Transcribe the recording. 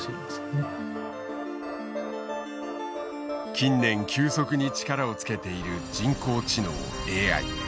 近年急速に力を付けている人工知能ＡＩ。